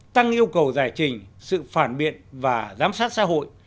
tăng yêu cầu giải trình sự phản biện và giám sát xã hội